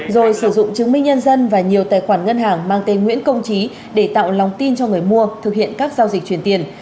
rồi sử dụng chứng minh nhân dân và nhiều tài khoản ngân hàng mang tên nguyễn công trí để tạo lòng tin cho người mua thực hiện các giao dịch truyền tiền